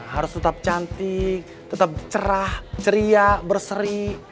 harus tetap cantik tetap cerah ceria berseri